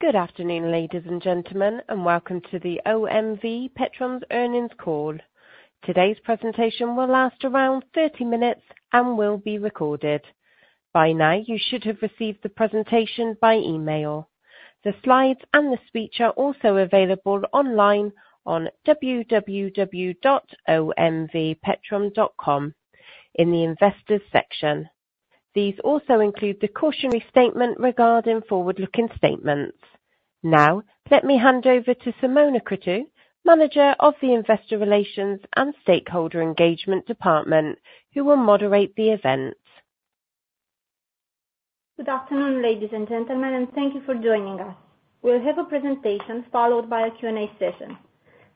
Good afternoon, ladies and gentlemen, and welcome to the OMV Petrom Earnings Call. Today's presentation will last around 30 minutes and will be recorded. By now, you should have received the presentation by email. The slides and the speech are also available online on www.omvpetrom.com in the Investors section. These also include the cautionary statement regarding forward-looking statements. Now, let me hand over to Simona Cruțu, Manager of the Investor Relations and Stakeholder Engagement Department, who will moderate the event. Good afternoon, ladies and gentlemen, and thank you for joining us. We'll have a presentation followed by a Q&A session.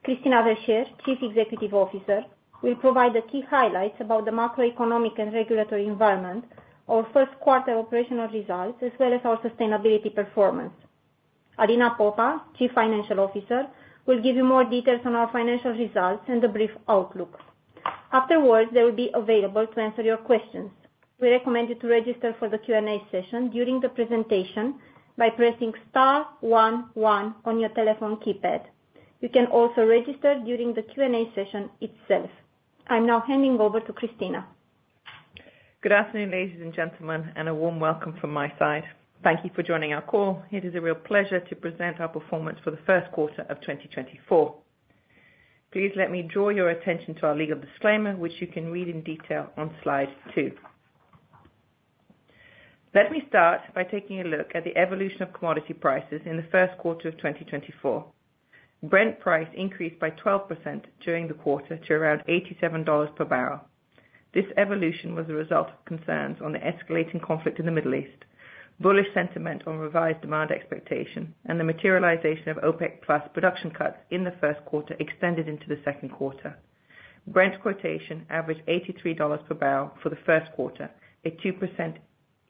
Christina Verchere, Chief Executive Officer, will provide the key highlights about the macroeconomic and regulatory environment, our first quarter operational results, as well as our sustainability performance. Alina Popa, Chief Financial Officer, will give you more details on our financial results and a brief outlook. Afterwards, they will be available to answer your questions. We recommend you to register for the Q&A session during the presentation by pressing star one one on your telephone keypad. You can also register during the Q&A session itself. I'm now handing over to Christina. Good afternoon, ladies and gentlemen, and a warm welcome from my side. Thank you for joining our call. It is a real pleasure to present our performance for the first quarter of 2024. Please let me draw your attention to our legal disclaimer, which you can read in detail on slide two. Let me start by taking a look at the evolution of commodity prices in the first quarter of 2024. Brent price increased by 12% during the quarter to around $87 per barrel. This evolution was a result of concerns on the escalating conflict in the Middle East, bullish sentiment on revised demand expectation, and the materialization of OPEC Plus production cuts in the first quarter extended into the second quarter. Brent quotation averaged $83 per barrel for the first quarter, a 2%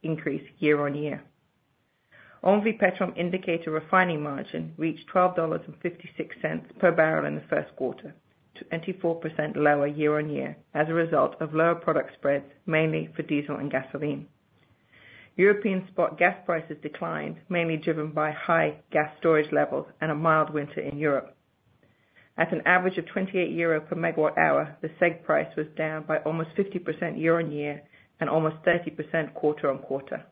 increase year-on-year. OMV Petrom indicator refining margin reached $12.56 per barrel in the first quarter, 24% lower year-on-year, as a result of lower product spreads, mainly for diesel and gasoline. European spot gas prices declined, mainly driven by high gas storage levels and a mild winter in Europe. At an average of 28 euro per MWh, the CEGH price was down by almost 50% year-on-year and almost 30% quarter-on-quarter.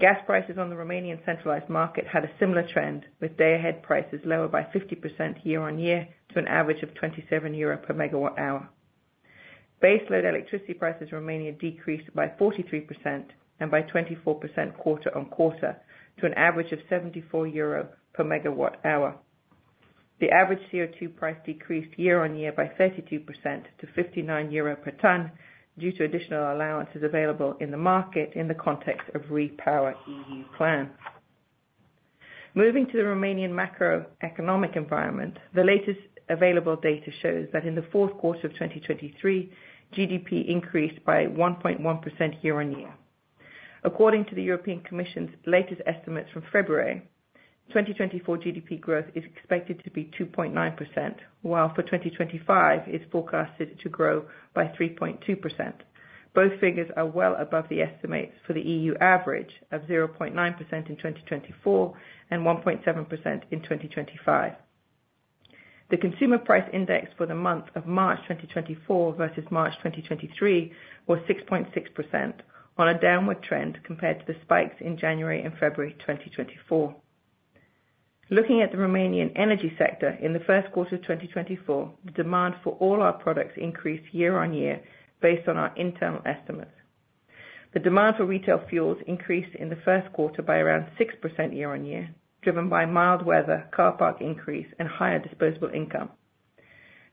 Gas prices on the Romanian centralized market had a similar trend, with day-ahead prices lower by 50% year-on-year to an average of 27 euro per MWh. Baseload electricity prices in Romania decreased by 43% and by 24% quarter-on-quarter, to an average of 74 euro per MWh. The average CO₂ price decreased year-on-year by 32% to 59 euro per ton, due to additional allowances available in the market in the context of REPowerEU plan. Moving to the Romanian macroeconomic environment, the latest available data shows that in the fourth quarter of 2023, GDP increased by 1.1% year-on-year. According to the European Commission's latest estimates from February 2024, GDP growth is expected to be 2.9%, while for 2025, it's forecasted to grow by 3.2%. Both figures are well above the estimates for the EU average of 0.9% in 2024 and 1.7% in 2025. The consumer price index for the month of March 2024 versus March 2023 was 6.6%, on a downward trend compared to the spikes in January and February 2024. Looking at the Romanian energy sector, in the first quarter of 2024, the demand for all our products increased year-on-year based on our internal estimates. The demand for retail fuels increased in the first quarter by around 6% year-on-year, driven by mild weather, car park increase, and higher disposable income.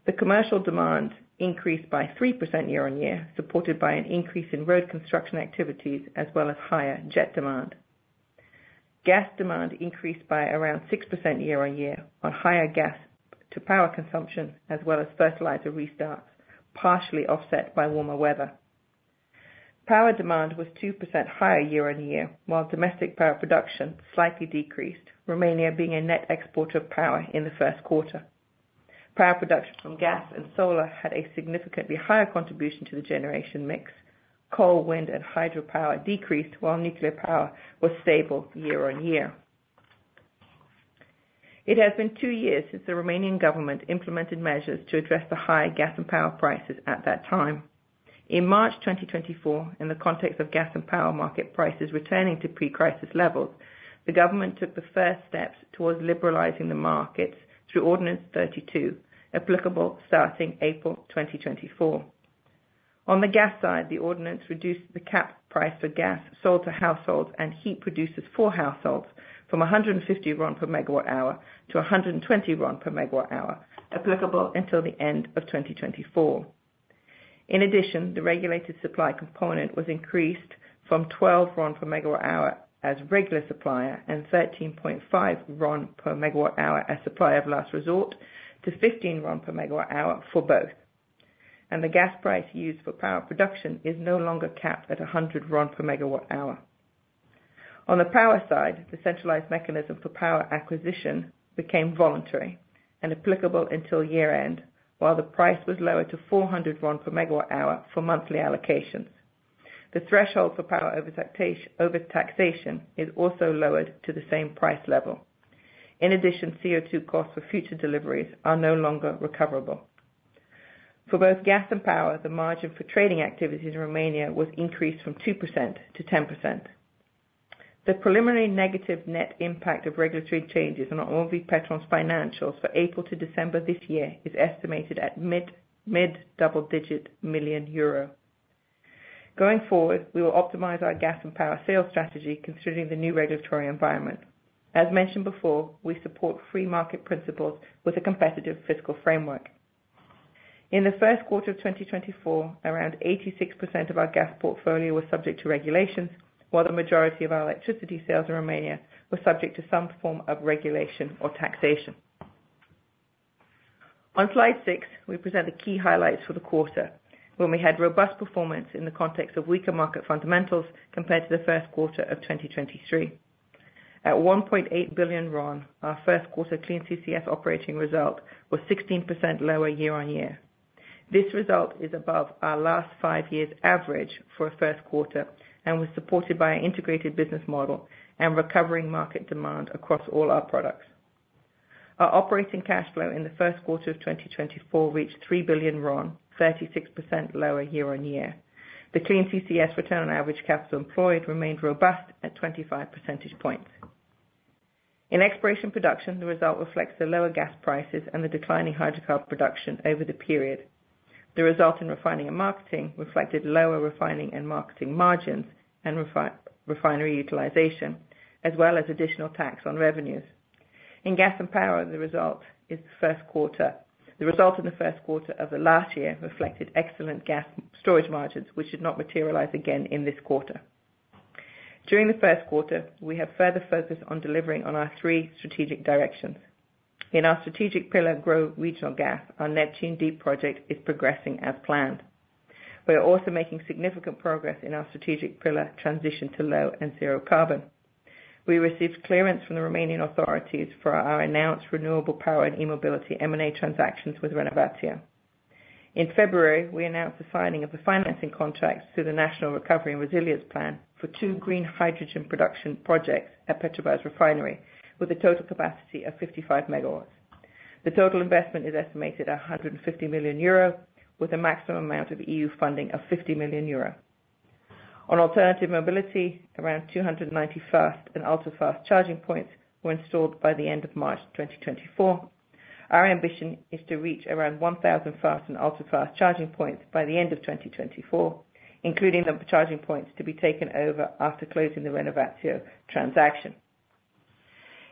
The commercial demand increased by 3% year-on-year, supported by an increase in road construction activities as well as higher jet demand. Gas demand increased by around 6% year-on-year on higher gas to power consumption, as well as fertilizer restarts, partially offset by warmer weather. Power demand was 2% higher year-on-year, while domestic power production slightly decreased, Romania being a net exporter of power in the first quarter. Power production from gas and solar had a significantly higher contribution to the generation mix. Coal, wind, and hydropower decreased, while nuclear power was stable year-on-year. It has been two years since the Romanian government implemented measures to address the high gas and power prices at that time. In March 2024, in the context of gas and power market prices returning to pre-crisis levels, the government took the first steps towards liberalizing the markets through Ordinance 32, applicable starting April 2024. On the gas side, the ordinance reduced the cap price for gas sold to households and heat producers for households from 150 RON per megawatt hour to 120 RON per megawatt hour, applicable until the end of 2024. In addition, the regulated supply component was increased from 12 RON per megawatt hour as regular supplier and 13.5 RON per megawatt hour as supplier of last resort, to 15 RON per megawatt hour for both. And the gas price used for power production is no longer capped at 100 RON per megawatt hour. On the power side, the centralized mechanism for power acquisition became voluntary and applicable until year-end, while the price was lowered to 400 RON per megawatt hour for monthly allocations. The threshold for power overtaxation is also lowered to the same price level. In addition, CO₂ costs for future deliveries are no longer recoverable. For both gas and power, the margin for trading activities in Romania was increased from 2% to 10%. The preliminary negative net impact of regulatory changes on OMV Petrom's financials for April to December this year is estimated at mid double-digit million EUR. Going forward, we will optimize our gas and power sales strategy considering the new regulatory environment. As mentioned before, we support free market principles with a competitive fiscal framework. In the first quarter of 2024, around 86% of our gas portfolio was subject to regulations, while the majority of our electricity sales in Romania were subject to some form of regulation or taxation. On slide six, we present the key highlights for the quarter, when we had robust performance in the context of weaker market fundamentals compared to the first quarter of 2023. At RON 1.8 billion, our first quarter Clean CCS operating result was 16% lower year-on-year. This result is above our last five years average for a first quarter, and was supported by our integrated business model and recovering market demand across all our products. Our operating cash flow in the first quarter of 2024 reached RON 3 billion, 36% lower year-on-year. The Clean CCS return on average capital employed remained robust at 25 percentage points. In exploration production, the result reflects the lower gas prices and the declining hydrocarbon production over the period. The result in refining and marketing reflected lower refining and marketing margins, and refinery utilization, as well as additional tax on revenues. In gas and power, the result in the first quarter of the last year reflected excellent gas storage margins, which did not materialize again in this quarter. During the first quarter, we have further focused on delivering on our three strategic directions. In our strategic pillar, Grow Regional Gas, our Neptun Deep project is progressing as planned. We are also making significant progress in our strategic pillar, Transition to Low and Zero Carbon. We received clearance from the Romanian authorities for our announced renewable power and e-mobility M&A transactions with Renovatio. In February, we announced the signing of the financing contracts through the National Recovery and Resilience Plan for two green hydrogen production projects at Petrobrazi Refinery, with a total capacity of 55 megawatts. The total investment is estimated at 150 million euro, with a maximum amount of EU funding of 50 million euro. On alternative mobility, around 290 fast and ultra-fast charging points were installed by the end of March 2024. Our ambition is to reach around 1,000 fast and ultra-fast charging points by the end of 2024, including the charging points to be taken over after closing the Renovatio transaction.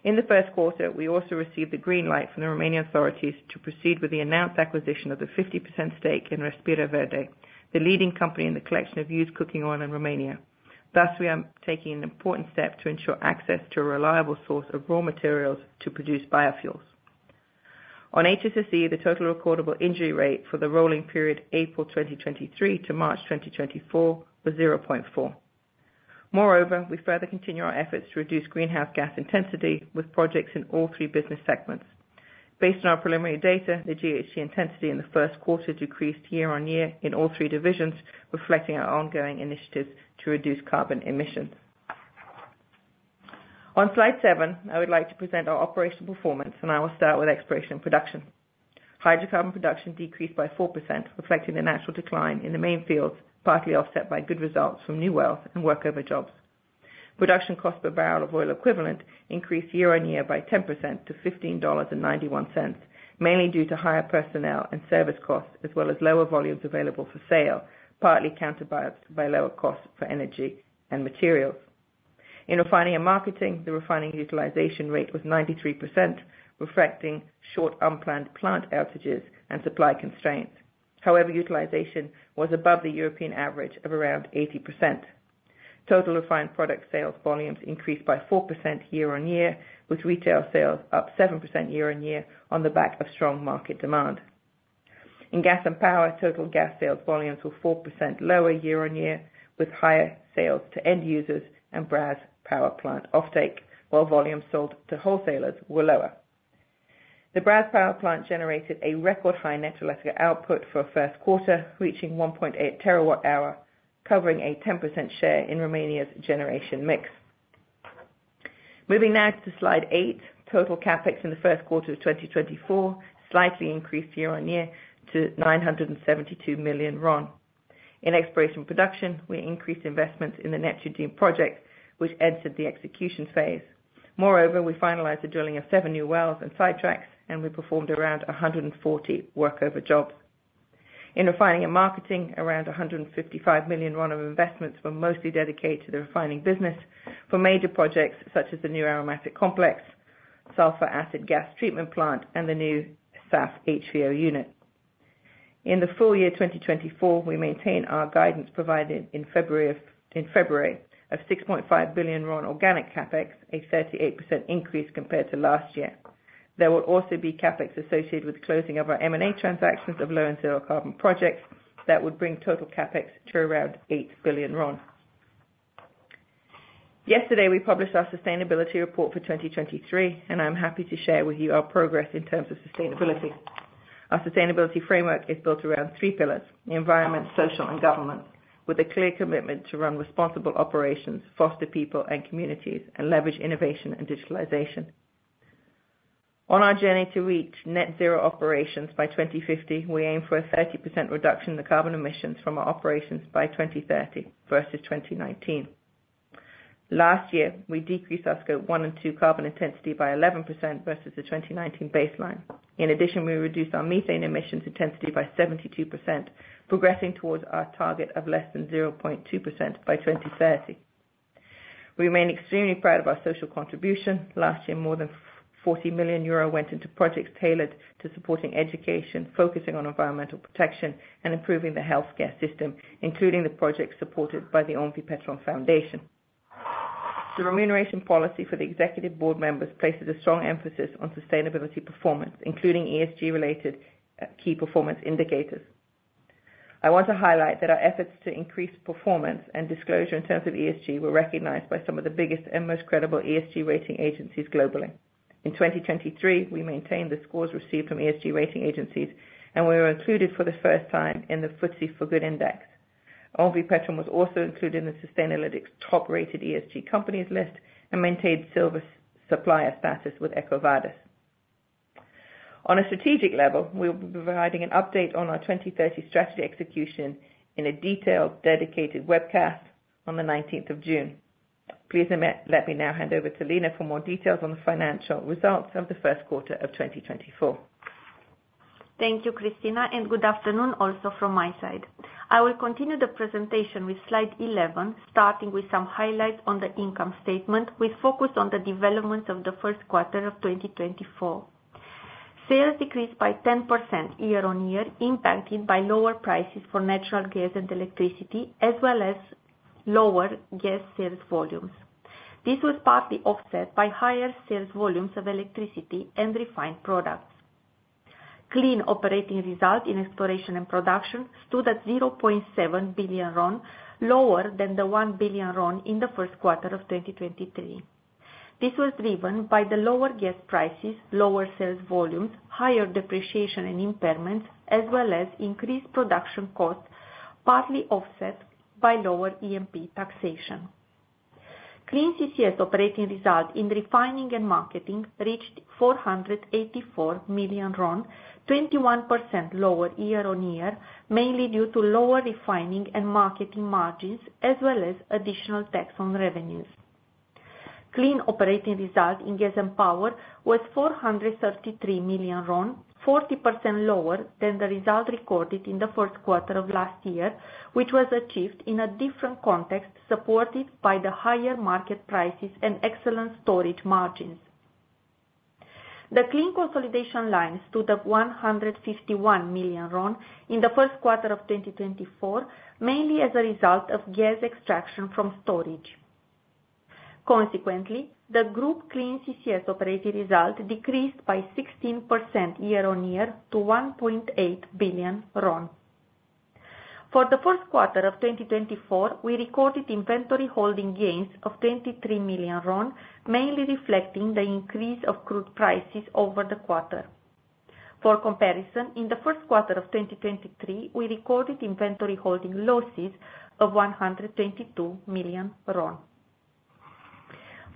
In the first quarter, we also received the green light from the Romanian authorities to proceed with the announced acquisition of the 50% stake in Respira Verde, the leading company in the collection of used cooking oil in Romania. Thus, we are taking an important step to ensure access to a reliable source of raw materials to produce biofuels. On HSSE, the total recordable injury rate for the rolling period, April 2023 to March 2024, was 0.4. Moreover, we further continue our efforts to reduce greenhouse gas intensity with projects in all three business segments. Based on our preliminary data, the GHG intensity in the first quarter decreased year-on-year in all three divisions, reflecting our ongoing initiatives to reduce carbon emissions. On slide 7, I would like to present our operational performance, and I will start with exploration and production. Hydrocarbon production decreased by 4%, reflecting the natural decline in the main fields, partly offset by good results from new wells and workover jobs. Production cost per barrel of oil equivalent increased year-on-year by 10% to $15.91, mainly due to higher personnel and service costs, as well as lower volumes available for sale, partly counterbalanced by lower costs for energy and materials. In refining and marketing, the refining utilization rate was 93%, reflecting short, unplanned plant outages and supply constraints. However, utilization was above the European average of around 80%. Total refined product sales volumes increased by 4% year-on-year, with retail sales up 7% year-on-year on the back of strong market demand. In gas and power, total gas sales volumes were 4% lower year-on-year, with higher sales to end users and Brazi power plant offtake, while volumes sold to wholesalers were lower. The Brazi power plant generated a record high net electric output for a first quarter, reaching 1.8 TWh, covering a 10% share in Romania's generation mix. Moving now to slide 8. Total CapEx in the first quarter of 2024 slightly increased year-on-year to RON 972 million. In exploration production, we increased investments in the Neptun Deep project, which entered the execution phase. Moreover, we finalized the drilling of 7 new wells and sidetracks, and we performed around 140 workover jobs. In refining and marketing, around RON 155 million of investments were mostly dedicated to the refining business for major projects such as the new aromatic complex, sulfur acid gas treatment plant, and the new SAF HVO unit. In the full year 2024, we maintain our guidance provided in February of six point five billion RON organic CapEx, a 38% increase compared to last year. There will also be CapEx associated with the closing of our M&A transactions of low and zero carbon projects that would bring total CapEx to around eight billion RON. Yesterday, we published our sustainability report for 2023, and I'm happy to share with you our progress in terms of sustainability. Our sustainability framework is built around three pillars: the environment, social, and government, with a clear commitment to run responsible operations, foster people and communities, and leverage innovation and digitalization. On our journey to reach net zero operations by 2050, we aim for a 30% reduction in the carbon emissions from our operations by 2030 versus 2019. Last year, we decreased our Scope 1 and 2 carbon intensity by 11% versus the 2019 baseline. In addition, we reduced our methane emissions intensity by 72%, progressing towards our target of less than 0.2% by 2030. We remain extremely proud of our social contribution. Last year, more than 40 million euro went into projects tailored to supporting education, focusing on environmental protection and improving the healthcare system, including the projects supported by the OMV Petrom Foundation. The remuneration policy for the executive board members places a strong emphasis on sustainability performance, including ESG-related key performance indicators. I want to highlight that our efforts to increase performance and disclosure in terms of ESG were recognized by some of the biggest and most credible ESG rating agencies globally. In 2023, we maintained the scores received from ESG rating agencies, and we were included for the first time in the FTSE4Good Index. OMV Petrom was also included in the Sustainalytics top-rated ESG companies list and maintained silver supplier status with EcoVadis. On a strategic level, we'll be providing an update on our 2030 strategy execution in a detailed, dedicated webcast on the nineteenth of June. Please let me now hand over to Lina for more details on the financial results of the first quarter of 2024. Thank you, Christina, and good afternoon also from my side. I will continue the presentation with slide 11, starting with some highlights on the income statement, with focus on the developments of the first quarter of 2024. Sales decreased by 10% year-on-year, impacted by lower prices for natural gas and electricity, as well as lower gas sales volumes. This was partly offset by higher sales volumes of electricity and refined products. Clean operating results in exploration and production stood at RON 0.7 billion, lower than the RON 1 billion in the first quarter of 2023. This was driven by the lower gas prices, lower sales volumes, higher depreciation and impairments, as well as increased production costs, partly offset by lower E&P taxation. Clean CCS operating results in refining and marketing reached RON 484 million, 21% lower year-on-year, mainly due to lower refining and marketing margins, as well as additional tax on revenues. Clean operating results in gas and power was RON 433 million, 40% lower than the result recorded in the first quarter of last year, which was achieved in a different context, supported by the higher market prices and excellent storage margins. The clean consolidation line stood at RON 151 million in the first quarter of 2024, mainly as a result of gas extraction from storage. Consequently, the group Clean CCS operating result decreased by 16% year-on-year to RON 1.8 billion. For the first quarter of 2024, we recorded inventory holding gains of RON 23 million, mainly reflecting the increase of crude prices over the quarter. For comparison, in the first quarter of 2023, we recorded inventory holding losses of RON 122 million.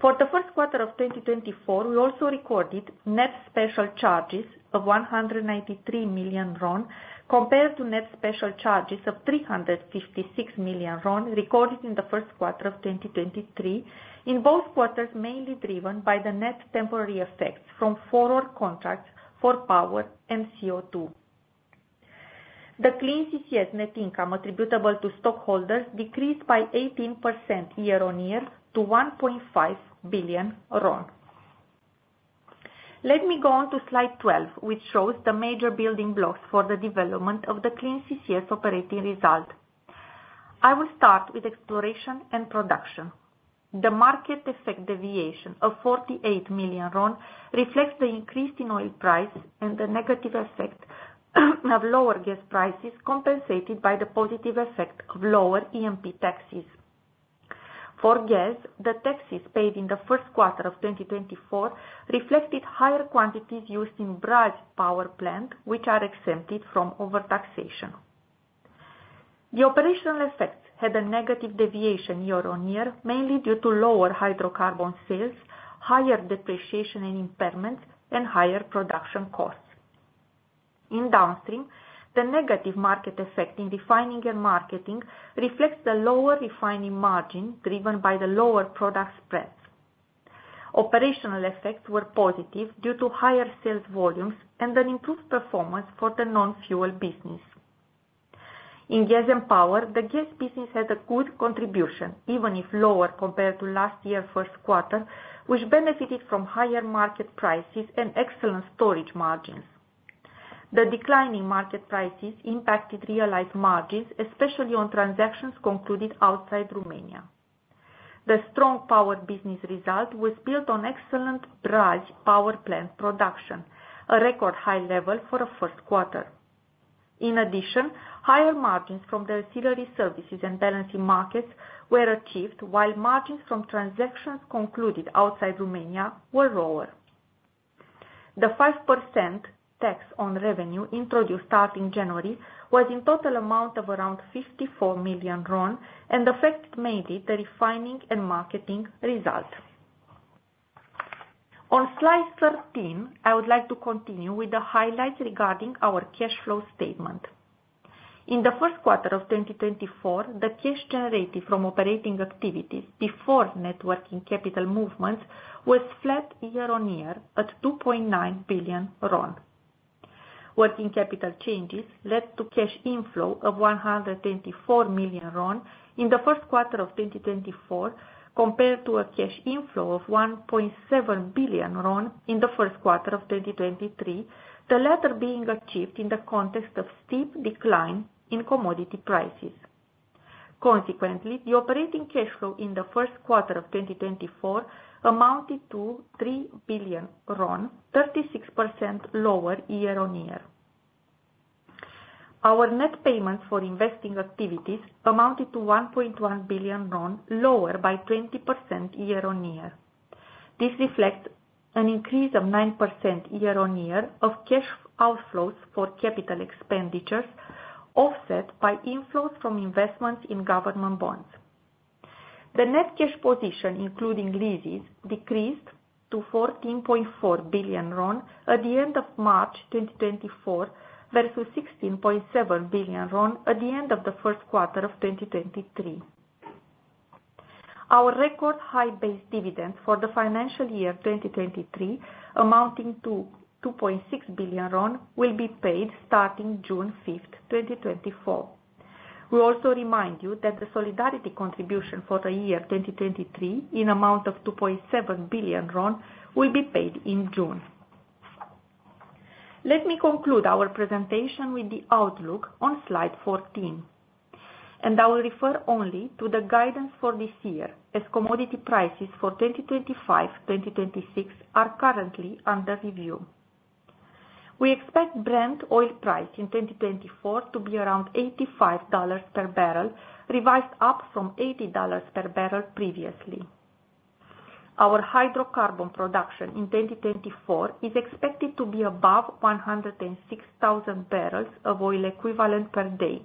For the first quarter of 2024, we also recorded net special charges of RON 193 million, compared to net special charges of RON 356 million recorded in the first quarter of 2023, in both quarters, mainly driven by the net temporary effects from forward contracts for power and CO2. The Clean CCS net income attributable to stockholders decreased by 18% year-on-year to RON 1.5 billion. Let me go on to slide 12, which shows the major building blocks for the development of the Clean CCS operating result. I will start with exploration and production. The market effect deviation of RON 48 million reflects the increase in oil price and the negative effect of lower gas prices, compensated by the positive effect of lower EMP taxes. For gas, the taxes paid in the first quarter of 2024 reflected higher quantities used in Brazi Power Plant, which are exempted from overtaxation. The operational effects had a negative deviation year-on-year, mainly due to lower hydrocarbon sales, higher depreciation and impairment, and higher production costs. In downstream, the negative market effect in refining and marketing reflects the lower refining margin driven by the lower product spreads. Operational effects were positive due to higher sales volumes and an improved performance for the non-fuel business. In gas and power, the gas business has a good contribution, even if lower compared to last year first quarter, which benefited from higher market prices and excellent storage margins. The decline in market prices impacted realized margins, especially on transactions concluded outside Romania. The strong power business result was built on excellent Brazi Power Plant production, a record high level for a first quarter. In addition, higher margins from the ancillary services and balancing markets were achieved, while margins from transactions concluded outside Romania were lower. The 5% tax on revenue introduced starting January was in total amount of around RON 54 million, and the effect made it the refining and marketing result. On slide 13, I would like to continue with the highlights regarding our cash flow statement. In the first quarter of 2024, the cash generated from operating activities before net working capital movements was flat year-on-year, at RON 2.9 billion. Working capital changes led to cash inflow of RON 184 million in the first quarter of 2024, compared to a cash inflow of RON 1.7 billion in the first quarter of 2023, the latter being achieved in the context of steep decline in commodity prices. Consequently, the operating cash flow in the first quarter of 2024 amounted to RON 3 billion, 36% lower year-on-year. Our net payments for investing activities amounted to RON 1.1 billion, lower by 20% year-on-year. This reflects an increase of 9% year-on-year of cash outflows for capital expenditures, offset by inflows from investments in government bonds. The net cash position, including leases, decreased to RON 14.4 billion at the end of March 2024, versus RON 16.7 billion at the end of the first quarter of 2023. Our record high-base dividend for the financial year of 2023, amounting to RON 2.6 billion, will be paid starting June 5, 2024. We also remind you that the solidarity contribution for the year 2023, in amount of RON 2.7 billion, will be paid in June. Let me conclude our presentation with the outlook on slide 14, and I will refer only to the guidance for this year, as commodity prices for 2025, 2026 are currently under review. We expect Brent oil price in 2024 to be around $85 per barrel, revised up from $80 per barrel previously. Our hydrocarbon production in 2024 is expected to be above 106,000 barrels of oil equivalent per day,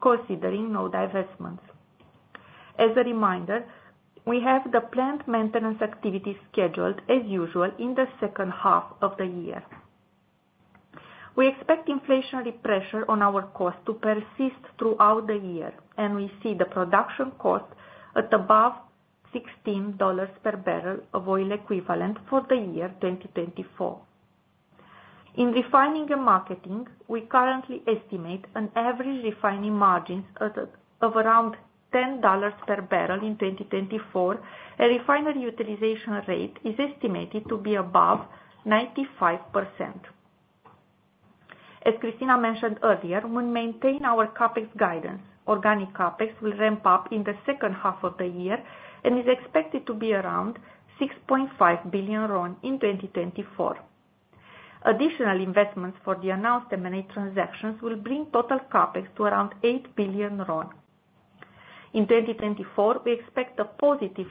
considering no divestments. As a reminder, we have the planned maintenance activities scheduled as usual in the second half of the year. We expect inflationary pressure on our cost to persist throughout the year, and we see the production cost at above $16 per barrel of oil equivalent for the year 2024. In refining and marketing, we currently estimate an average refining margins at around $10 per barrel in 2024, and refinery utilization rate is estimated to be above 95%. As Christina mentioned earlier, we maintain our CapEx guidance. Organic CapEx will ramp up in the second half of the year and is expected to be around RON 6.5 billion in 2024. Additional investments for the announced M&A transactions will bring total CapEx to around RON 8 billion. In 2024, we expect a positive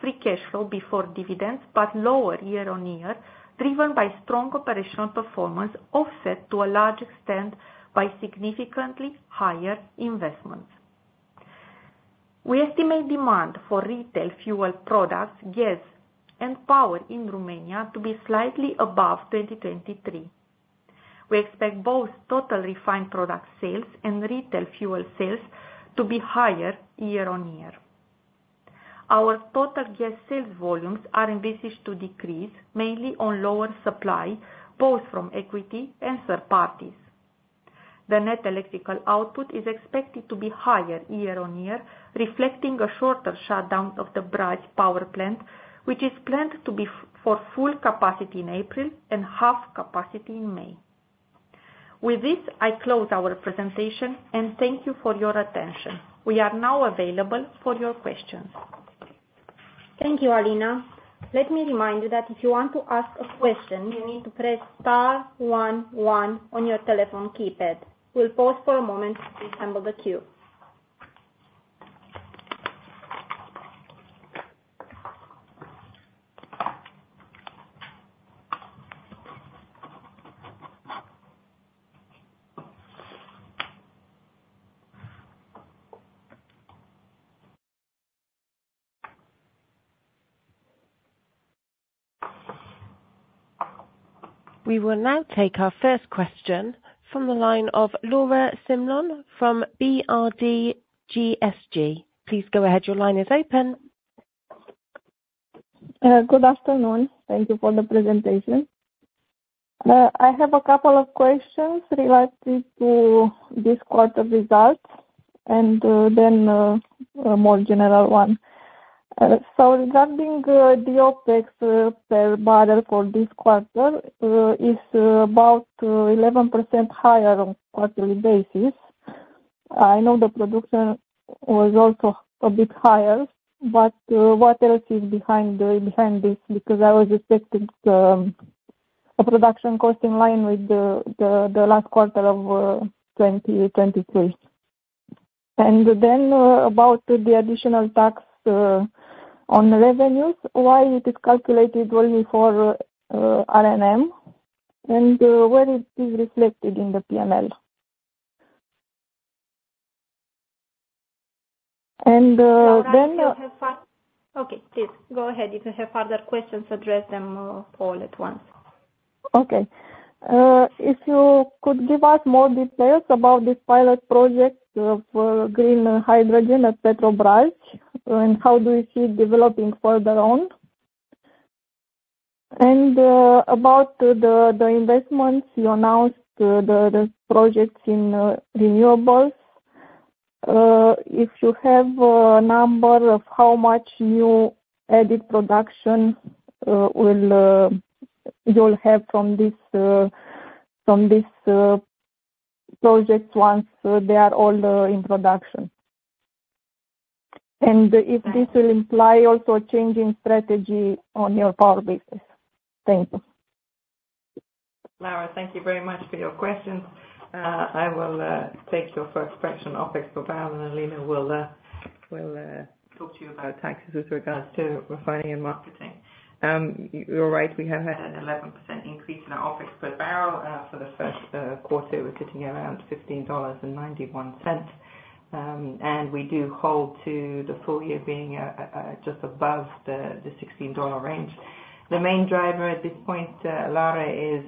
free cash flow before dividends, but lower year-on-year, driven by strong operational performance, offset to a large extent by significantly higher investments. We estimate demand for retail fuel products, gas, and power in Romania to be slightly above 2023. We expect both total refined product sales and retail fuel sales to be higher year-on-year. Our total gas sales volumes are envisaged to decrease, mainly on lower supply, both from equity and third parties. The net electrical output is expected to be higher year-on-year, reflecting a shorter shutdown of the Brazi Power Plant, which is planned to be for full capacity in April and half capacity in May. With this, I close our presentation, and thank you for your attention. We are now available for your questions. Thank you, Alina. Let me remind you that if you want to ask a question, you need to press star one one on your telephone keypad. We'll pause for a moment to assemble the queue. We will now take our first question from the line of Laura Simion from BRD GSG. Please go ahead. Your line is open. Good afternoon. Thank you for the presentation. I have a couple of questions related to this quarter's results and then a more general one. So regarding the OpEx per barrel for this quarter is about 11% higher on a quarterly basis. I know the production was also a bit higher, but what else is behind this? Because I was expecting a production cost in line with the last quarter of 2023. And then about the additional tax on revenues, why it is calculated only for R&M, and where it is reflected in the PNL? And then- Okay, please go ahead. If you have further questions, address them, all at once. Okay. If you could give us more details about this pilot project of green hydrogen at Petrobrazi, and how do you see it developing further on? And about the investments you announced, the projects in renewables. If you have a number of how much new added production will you have from this project once they are all in production. And if this will imply also a change in strategy on your power business. Thank you. Laura, thank you very much for your questions. I will take your first question, OpEx per barrel, and Alina will talk to you about taxes with regards to refining and marketing. You're right, we have had an 11% increase in our OpEx per barrel. For the first quarter, we're sitting around $15.91. And we do hold to the full year being just above the $16 range. The main driver at this point, Laura, is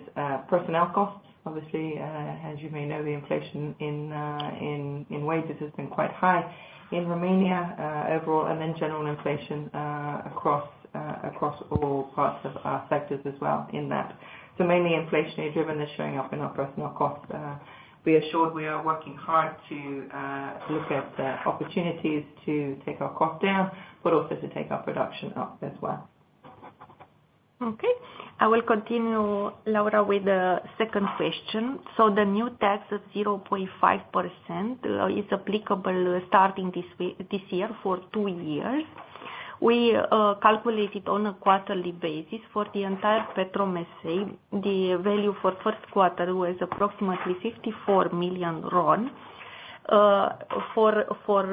personnel costs. Obviously, as you may know, the inflation in wages has been quite high in Romania overall, and then general inflation across all parts of our sectors as well in that. So mainly inflation-driven is showing up in our personnel costs. Be assured, we are working hard to look at opportunities to take our costs down, but also to take our production up as well. Okay, I will continue, Laura, with the second question. So the new tax of 0.5% is applicable starting this year for two years. We calculate it on a quarterly basis for the entire Petrom S.A. The value for first quarter was approximately RON 54 million. For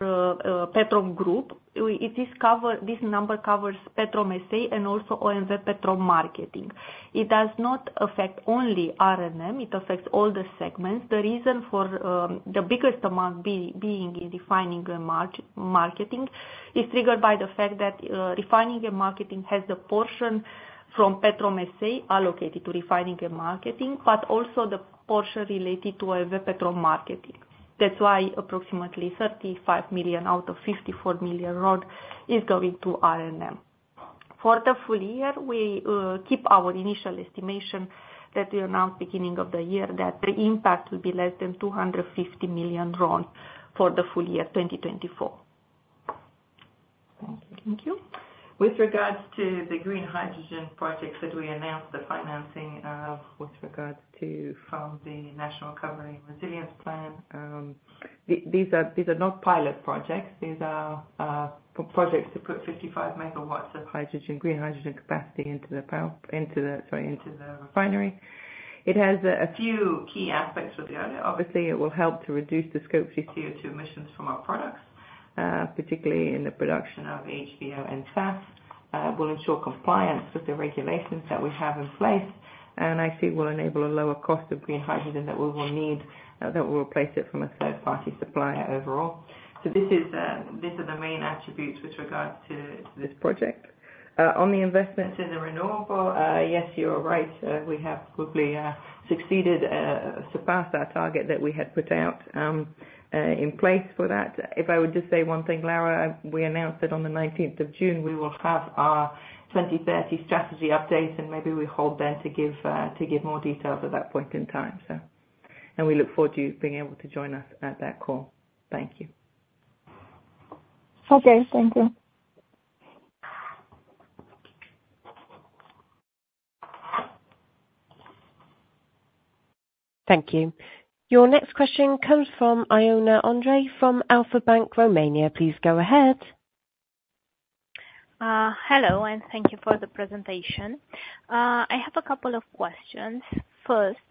Petrom group, this number covers Petrom S.A. and also OMV Petrom Marketing. It does not affect only R&M, it affects all the segments. The reason for the biggest amount being in refining and marketing is triggered by the fact that refining and marketing has a portion from Petrom S.A. allocated to refining and marketing, but also the portion related to OMV Petrom Marketing. That's why approximately RON 35 million out of RON 54 million is going to R&M. For the full year, we keep our initial estimation that we announced beginning of the year, that the impact will be less than RON 250 million for the full year, 2024. Thank you. With regards to the green hydrogen projects that we announced the financing of from the National Recovery and Resilience Plan, these are not pilot projects. These are projects to put 55 megawatts of green hydrogen capacity into the refinery. It has a few key aspects for the owner. Obviously, it will help to reduce the scope of CO₂ emissions from our products, particularly in the production of HVO and SAF. It will ensure compliance with the regulations that we have in place, and it will enable a lower cost of green hydrogen that we will need, that will replace it from a third-party supplier overall. So this is, these are the main attributes with regards to this project. On the investments in the renewable, yes, you are right. We have quickly succeeded, surpassed our target that we had put out, in place for that. If I would just say one thing, Lara, we announced that on the nineteenth of June, we will have our 2030 strategy update, and maybe we hold there to give, to give more details at that point in time, so... And we look forward to you being able to join us at that call. Thank you. Okay, thank you. Thank you. Your next question comes from Ioana Andrei from Alpha Bank, Romania. Please go ahead. Hello, and thank you for the presentation. I have a couple of questions. First,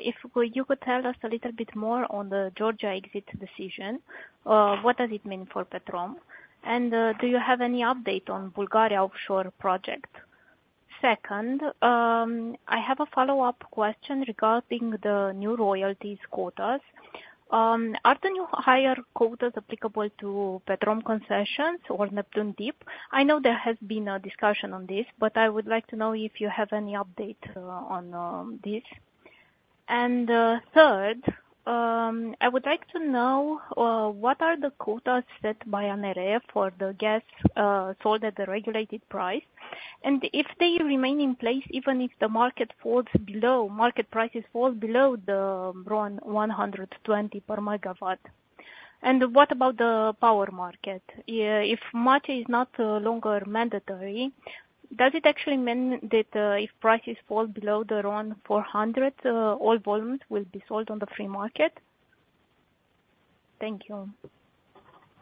if you could tell us a little bit more on the Georgia exit decision, what does it mean for Petrom? And, do you have any update on Bulgaria offshore project? Second, I have a follow-up question regarding the new royalties quotas. Are the new higher quotas applicable to Petrom concessions or Neptun Deep? I know there has been a discussion on this, but I would like to know if you have any update on this. And, third, I would like to know what are the quotas set by ANRE for the gas sold at the regulated price, and if they remain in place, even if the market prices fall below RON 120 per megawatt. What about the power market? If the market is no longer mandatory, does it actually mean that if prices fall below around RON 400, all volumes will be sold on the free market? Thank you.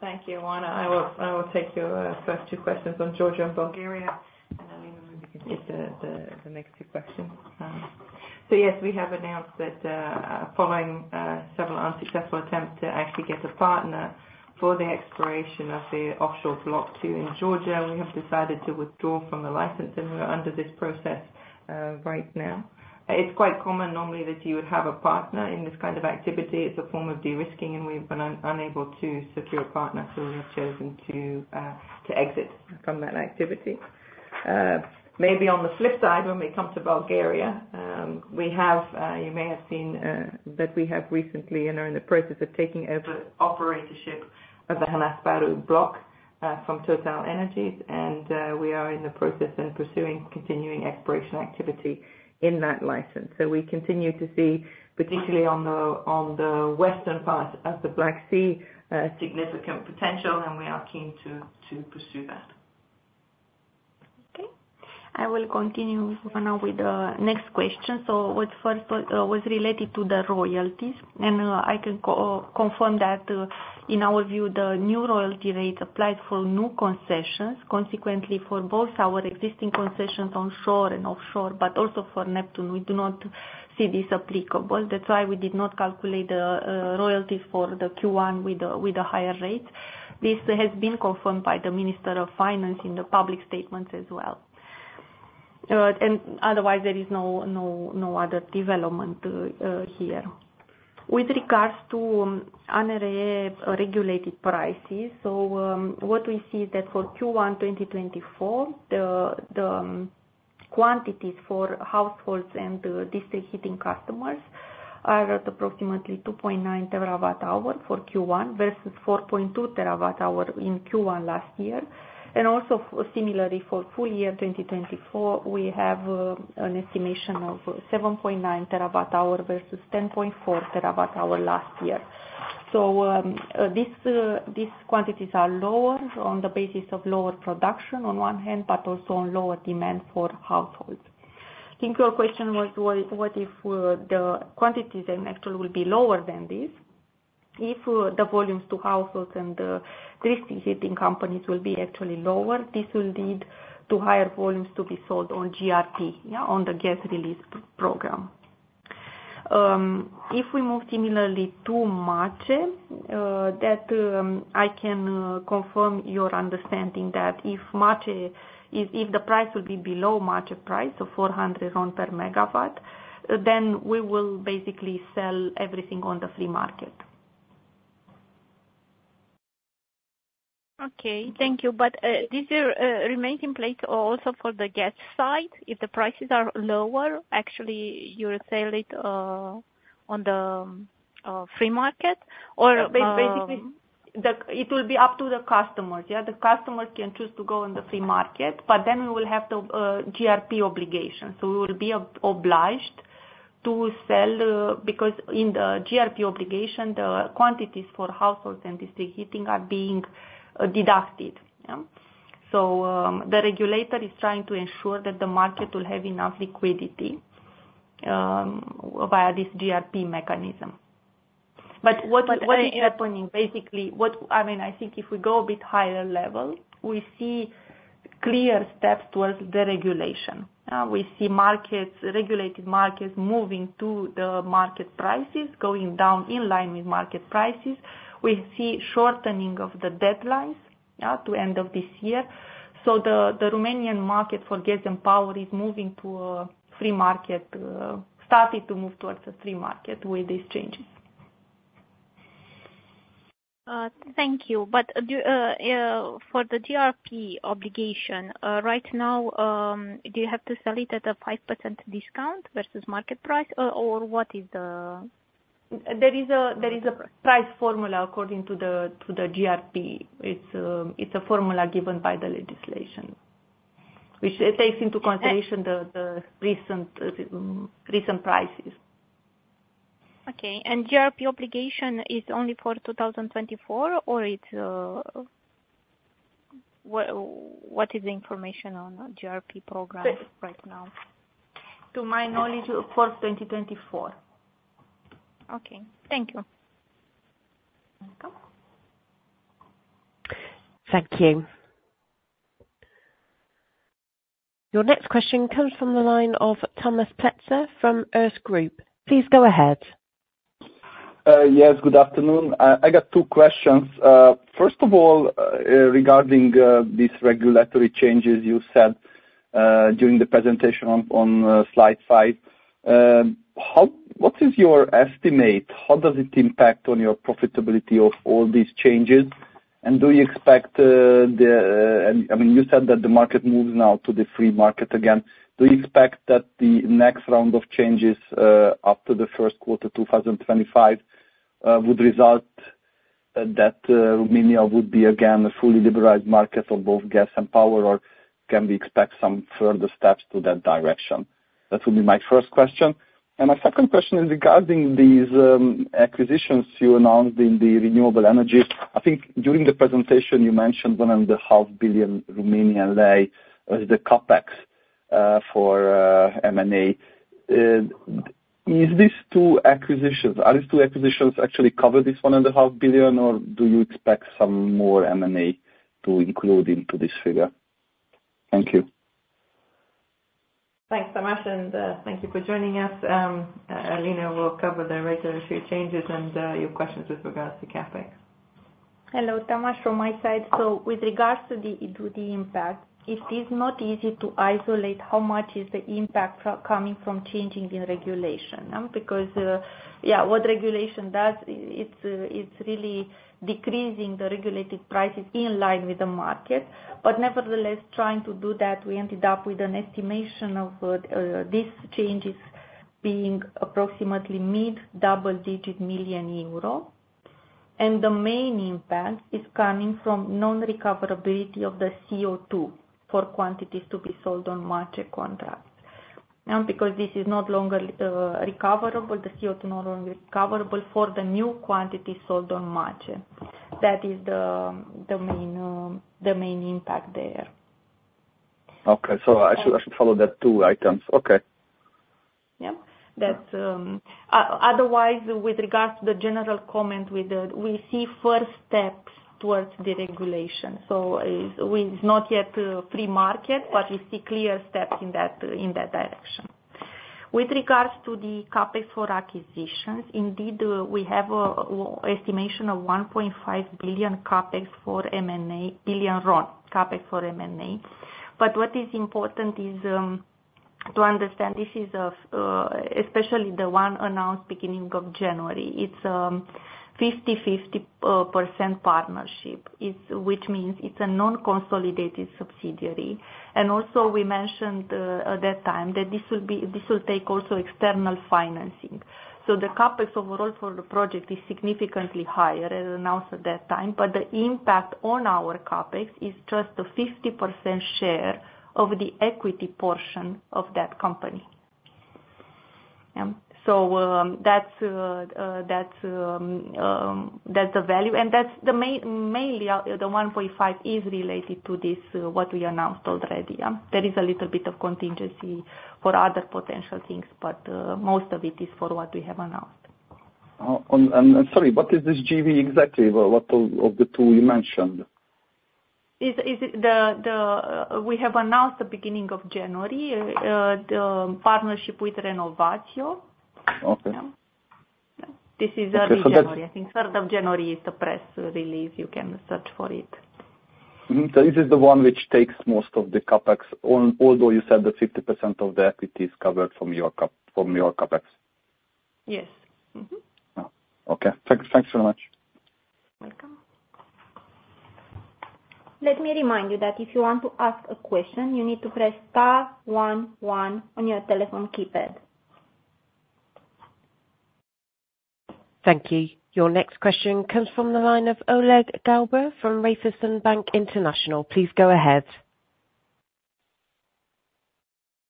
Thank you, Anna. I will take your first two questions on Georgia and Bulgaria, and then you can get the next two questions. So yes, we have announced that following several unsuccessful attempts to actually get a partner for the exploration of the offshore block two in Georgia, we have decided to withdraw from the license, and we are under this process right now. It's quite common normally that you would have a partner in this kind of activity. It's a form of de-risking, and we've been unable to secure a partner, so we have chosen to exit from that activity. Maybe on the flip side, when we come to Bulgaria, we have, you may have seen, that we have recently and are in the process of taking over operatorship of the Han Asparuh block, from TotalEnergies, and, we are in the process and pursuing continuing exploration activity in that license. So we continue to see, particularly on the, on the western part of the Black Sea, significant potential, and we are keen to, to pursue that. Okay. I will continue now with the next question. So what's first, was related to the royalties, and, I can confirm that, in our view, the new royalty rate applied for new concessions, consequently for both our existing concessions on shore and offshore, but also for Neptune, we do not see this applicable. That's why we did not calculate the royalty for the Q1 with the higher rate. This has been confirmed by the Minister of Finance in the public statements as well. And otherwise, there is no other development here. With regards to ANRE, regulated prices, so, what we see is that for Q1 2024, the quantities for households and district heating customers are at approximately 2.9 TWh for Q1, versus 4.2 TWh in Q1 last year. And also, similarly for full year 2024, we have an estimation of 7.9 TWh versus 10.4 TWh last year. So, these quantities are lower on the basis of lower production on one hand, but also on lower demand for households. I think your question was what, what if the quantities then actually will be lower than this? If the volumes to households and district heating companies will be actually lower, this will lead to higher volumes to be sold on GRP, yeah, on the gas release program. If we move similarly to MACE, that I can confirm your understanding that if the price will be below MACE price of 400 RON per megawatt, then we will basically sell everything on the free market. Okay, thank you. But, this remains in place also for the gas side, if the prices are lower, actually you will sell it on the free market or- Basically, it will be up to the customers, yeah. The customers can choose to go on the free market, but then we will have the GRP obligation, so we will be obliged to sell because in the GRP obligation, the quantities for households and district heating are being deducted, yeah? So, the regulator is trying to ensure that the market will have enough liquidity via this GRP mechanism. But what is happening, basically, what I mean, I think if we go a bit higher level, we see clear steps towards the regulation. We see markets, regulated markets, moving to the market prices, going down in line with market prices. We see shortening of the deadlines, yeah, to end of this year. The Romanian market for gas and power is moving to a free market, started to move towards a free market with these changes. Thank you. But for the GRP obligation, right now, do you have to sell it at a 5% discount versus market price? Or, what is the ... There is a price formula according to the GRP. It's a formula given by the legislation, which takes into consideration the recent prices. Okay. And GRP obligation is only for 2024, or it's... What, what is the information on GRP program right now? To my knowledge, for 2024. Okay. Thank you. Welcome. Thank you. Your next question comes from the line of Tamás Pletzer from Erste Group. Please go ahead. Yes, good afternoon. I got 2 questions. First of all, regarding these regulatory changes you said during the presentation on slide 5, how, what is your estimate? How does it impact on your profitability of all these changes? And do you expect the... I mean, you said that the market moves now to the free market again. Do you expect that the next round of changes after the first quarter 2025 would result that Romania would be again a fully liberalized market for both gas and power, or can we expect some further steps to that direction? That would be my first question. And my second question is regarding these acquisitions you announced in the renewable energy. I think during the presentation you mentioned RON 1.5 billion was the CapEx for M&A. Is this two acquisitions - are these two acquisitions actually cover this RON 1.5 billion, or do you expect some more M&A to include into this figure? Thank you. Thanks, Tamás, and thank you for joining us. Alina will cover the regulatory changes and your questions with regards to CapEx. Hello, Tamas, from my side. So with regards to the, to the impact, it is not easy to isolate how much is the impact coming from changing the regulation, because what regulation does, it's really decreasing the regulated prices in line with the market. But nevertheless, trying to do that, we ended up with an estimation of these changes being approximately mid-double-digit million EUR. And the main impact is coming from non-recoverability of the CO2 for quantities to be sold on March contract. Because this is no longer recoverable, the CO2 no longer recoverable for the new quantities sold on March. That is the main impact there. Okay. So I should, I should follow that two items. Okay. Yeah. That's otherwise, with regards to the general comment, we see first steps towards the regulation. So, it's not yet a free market, but we see clear steps in that direction. With regards to the CapEx for acquisitions, indeed, we have an estimation of RON 1.5 billion CapEx for M&A. But what is important is to understand this is especially the one announced beginning of January, it's a 50/50 percent partnership. It's which means it's a non-consolidated subsidiary. And also we mentioned at that time that this will take also external financing. So the CapEx overall for the project is significantly higher, as announced at that time, but the impact on our CapEx is just a 50% share of the equity portion of that company. So, that's the value, and that's mainly the 1.5 is related to this, what we announced already. There is a little bit of contingency for other potential things, but most of it is for what we have announced. Sorry, what is this JV exactly? What of the two you mentioned? We have announced the beginning of January the partnership with Renovatio. Okay. Yeah. This is early January. Okay, so that's- I think third of January is the press release. You can search for it. Mm-hmm. So this is the one which takes most of the CapEx, although you said that 50% of the equity is covered from your CapEx? Yes. Mm-hmm. Oh, okay. Thanks, thanks so much. Welcome. Let me remind you that if you want to ask a question, you need to press star one one on your telephone keypad. Thank you. Your next question comes from the line of Oleg Galbur from Raiffeisen Bank International. Please go ahead.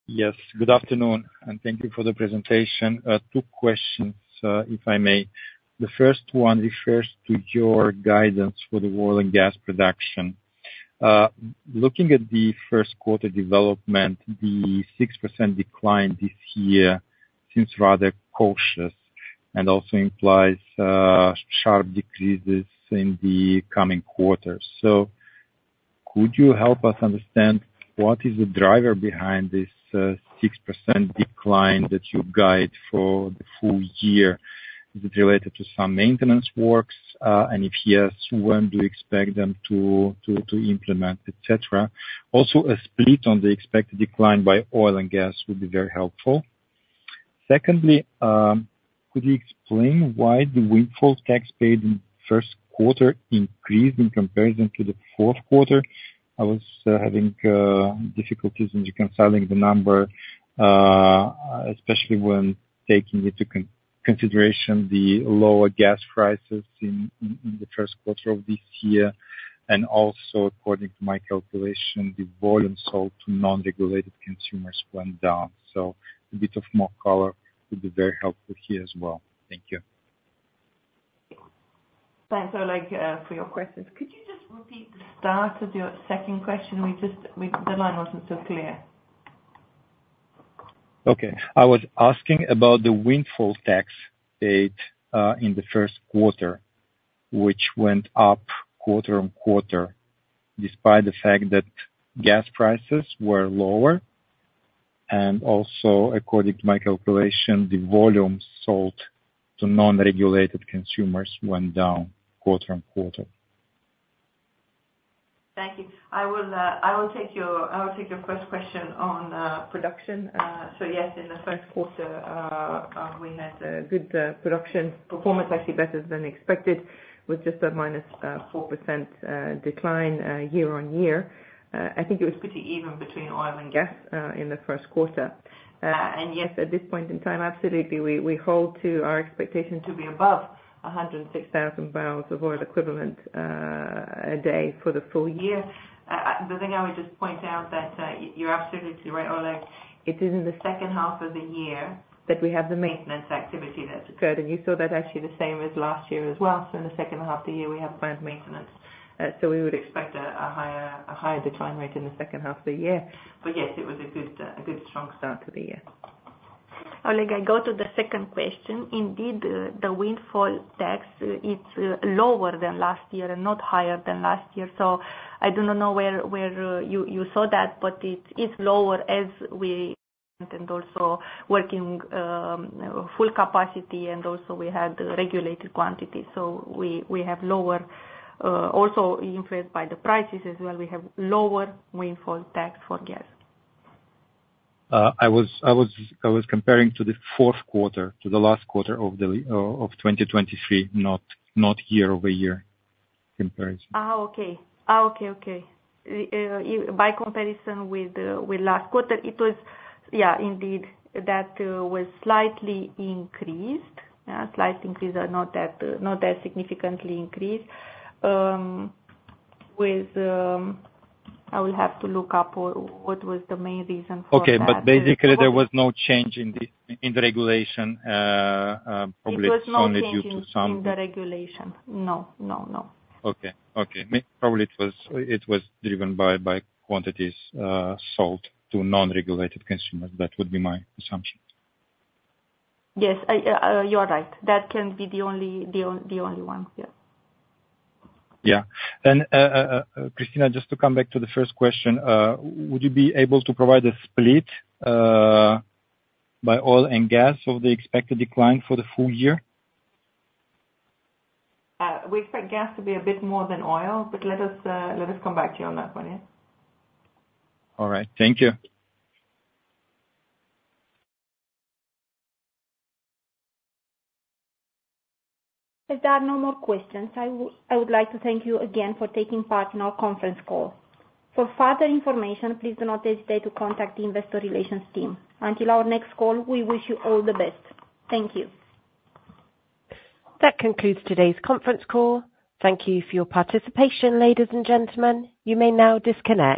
Yes, good afternoon, and thank you for the presentation. Two questions, if I may. The first one refers to your guidance for the oil and gas production. Looking at the first quarter development, the 6% decline this year seems rather cautious and also implies sharp decreases in the coming quarters. So could you help us understand what is the driver behind this 6% decline that you guide for the full year? Is it related to some maintenance works? And if yes, when do you expect them to implement, et cetera? Also, a split on the expected decline by oil and gas would be very helpful. Secondly, could you explain why the windfall tax paid in first quarter increased in comparison to the fourth quarter? I was having difficulties in reconciling the number, especially when taking into consideration the lower gas prices in the first quarter of this year, and also according to my calculation, the volume sold to non-regulated consumers went down. So a bit more color would be very helpful here as well. Thank you. Thanks, Oleg, for your questions. Could you just repeat the start of your second question? We just, the line wasn't so clear. Okay. I was asking about the windfall tax paid in the first quarter, which went up quarter-on-quarter, despite the fact that gas prices were lower, and also according to my calculation, the volume sold to non-regulated consumers went down quarter-on-quarter. Thank you. I will take your first question on production. So yes, in the first quarter, we had a good production performance, actually better than expected, with just a -4% decline year-on-year. I think it was pretty even between oil and gas in the first quarter. And yes, at this point in time, absolutely, we hold to our expectation to be above 106,000 barrels of oil equivalent a day for the full year. The thing I would just point out that you're absolutely right, Oleg, it is in the second half of the year that we have the maintenance activity that's occurred, and you saw that actually the same as last year as well. In the second half of the year, we have planned maintenance. So we would expect a higher decline rate in the second half of the year. But yes, it was a good strong start to the year. Oleg, I go to the second question. Indeed, the windfall tax is lower than last year and not higher than last year. So I do not know where you saw that, but it is lower as we and also working full capacity, and also we had regulated quantities. So we have lower, also influenced by the prices as well. We have lower windfall tax for gas. I was comparing to the fourth quarter, to the last quarter of 2023, not year-over-year comparison. Okay. By comparison with last quarter, it was... Yeah, indeed, that was slightly increased. Yeah, slight increase or not that, not that significantly increased. With, I will have to look up what was the main reason for that. Okay. But basically, there was no change in the regulation, probably only due to some- There was no change in the regulation. No, no, no. Okay. Okay. Maybe probably it was, it was driven by, by quantities sold to non-regulated consumers. That would be my assumption. Yes, you are right. That can be the only one. Yes. Yeah. Christina, just to come back to the first question, would you be able to provide a split by oil and gas of the expected decline for the full year? We expect gas to be a bit more than oil, but let us, let us come back to you on that one, yeah? All right. Thank you. If there are no more questions, I would like to thank you again for taking part in our conference call. For further information, please do not hesitate to contact the investor relations team. Until our next call, we wish you all the best. Thank you. That concludes today's conference call. Thank you for your participation, ladies and gentlemen. You may now disconnect.